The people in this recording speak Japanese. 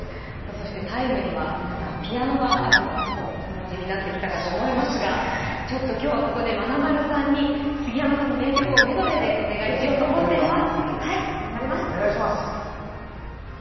「ＴＩＭＥ，」には皆さんピアノがあるのはおなじみになってきたと思いますがちょっときょうはここでまなまるさんにすぎやまさんの名曲をメドレーでお願いしようと思っています。